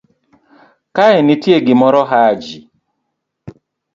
kae nitie gimoro Haji